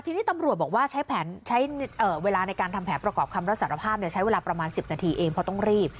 ทีนี้ตำรวจบอกว่าใช้เวลาในการทำแผนประกอบคำรับสารภาพใช้เวลาประมาณ๑๐นาทีเองเพราะต้องรีบ